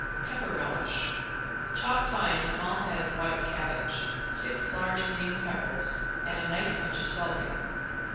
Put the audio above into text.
~PEPPER RELISH~ Chop fine a small head of white cabbage, six large green peppers, and a nice bunch of celery.